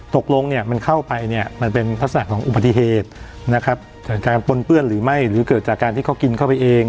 ตกลงเนี่ยมันเข้าไปเนี่ยมันเป็นลักษณะของอุบัติเหตุนะครับจากการปนเปื้อนหรือไม่หรือเกิดจากการที่เขากินเข้าไปเอง